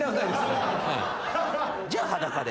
じゃあ裸で。